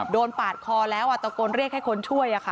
โดนปาดคอแล้วอะตะกนเรียกให้คนช่วยค่ะ